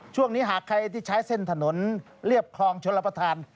ช่วงนี้หากใครที่ใช้เส้นถนนเรียบคลองชลประธาน